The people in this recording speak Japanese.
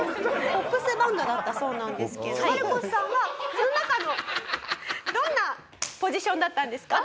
ポップスバンドだったそうなんですけどマルコスさんはその中のどんなポジションだったんですか？